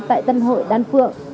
tại tân hội đan phượng